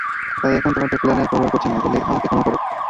তাই এখন তোমাদের প্ল্যানের পরোয়া করছি না বলে আমাকে ক্ষমা করো।